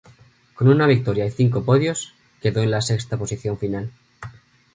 Con una victoria y cinco podios, quedó en la sexta posición final.